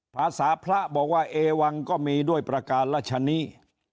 ภาษาพระบอกว่าเอวังก็มีด้วยประการราชนิ